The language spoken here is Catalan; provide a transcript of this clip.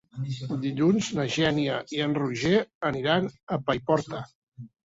Dilluns na Xènia i en Roger aniran a Paiporta.